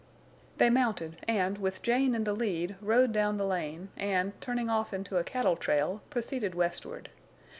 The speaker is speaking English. They mounted, and, with Jane in the lead, rode down the lane, and, turning off into a cattle trail, proceeded westward.